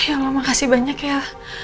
ya allah makasih banyak ya